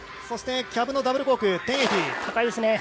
そしてキャブのダブルコーク１０８０。